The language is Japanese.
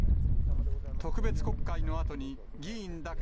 特別国会のあとに、議員だけ